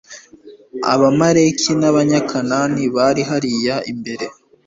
abamaleki n abanyakanani bari hariya imbere